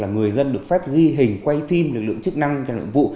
người dân được phép ghi hình quay phim lực lượng chức năng làm nhiệm vụ